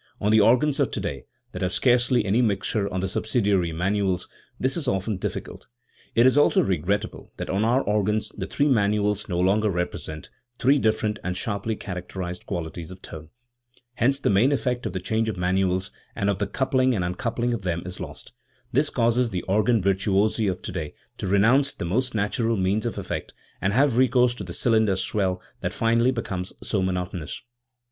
On the organs of today, that have scarcely any mixtures on the subsidiary manuals, this is often dif ficult. It is also regrettable that on our organs the three manuals no longer represent , three different and sharply characterised qualities of tone. Hence the main effect of the change of manuals and of the coupling and uncoupling of them is lost. This causes the organ virtuosi of today to renounce the most natural means of effect and have recourse to the cylinder swell, that finally becomes so monotonous.